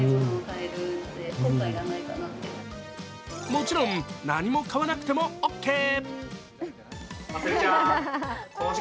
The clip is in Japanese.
もちろん何も買わなくてもオッケー。